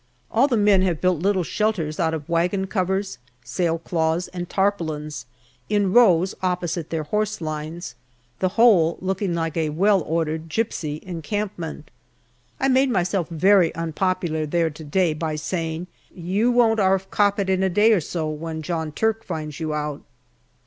All the men have built little shelters out of wagon 6 82 GALLIPOLI DIARY covers, sail cloths, and tarpaulins, in rows opposite their horse lines, the whole looking like a well ordered gipsy encampment. I made myself very unpopular there to day by saying, " You won't 'arf cop it in a day or so when John Turk finds you out."